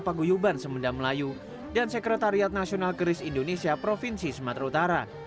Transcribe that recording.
paguyuban semeda melayu dan sekretariat nasional keris indonesia provinsi sumatera utara